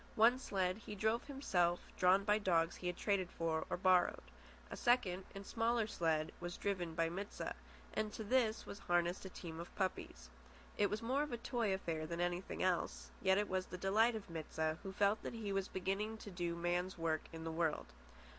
One sled he drove himself, drawn by dogs he had traded for or borrowed. A second and smaller sled was driven by Mit sah, and to this was harnessed a team of puppies. It was more of a toy affair than anything else, yet it was the delight of Mit sah, who felt that he was beginning to do a man's work in the world.